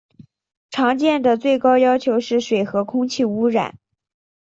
常见的最高要求是水和空气污染。